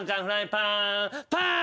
パン！！